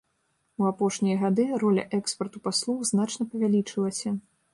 У апошнія гады роля экспарту паслуг значна павялічылася.